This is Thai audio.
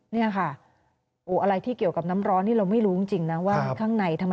นี่ค่ะอะไรที่เกี่ยวกับน้ำร้อนนี่เราไม่รู้จริงนะว่าข้างในทำไม